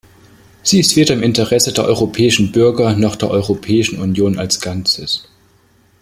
Sie ist weder im Interesse der europäischen Bürger noch der Europäischen Union als Ganzes.